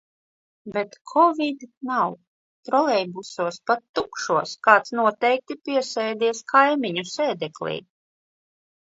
Bet kovid nav - trolejbusos, pat tukšos, kāds noteikti piesēdies kaimiņu sēdeklī.